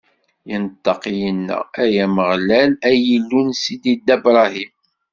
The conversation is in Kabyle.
Inṭeq, inna: Ay Ameɣlal, ay Illu n sidi Dda Bṛahim!